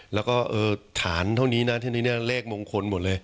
แล้วก็ฐานเท่านี้นะที่นี่เลขมงคลหมดเลย